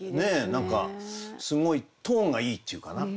何かすごいトーンがいいっていうかな。